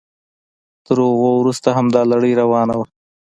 تر هغوی وروسته همدا لړۍ روانه وه.